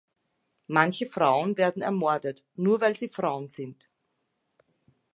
Manche Frauen werden ermordet, nur weil sie Frauen sind.